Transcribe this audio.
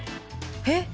えっ？